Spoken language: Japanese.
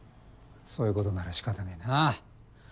そういうことならしかたねぇな。